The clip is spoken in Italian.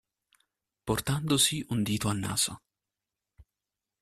Portandosi un dito al naso.